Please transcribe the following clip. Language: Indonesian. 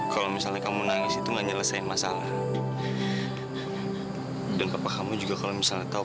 kalau misalnya kamu nangis itu nggak nyelesain masalah dan papa kamu juga kalau misalnya tahu